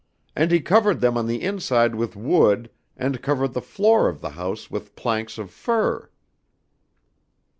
And he covered them on the inside with wood and covered the floor of the house with planks of fir."